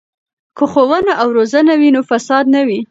که ښوونه او روزنه وي نو فساد نه وي.